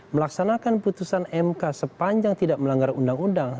melaksanakan putusan mk sepanjang tidak melanggar undang undang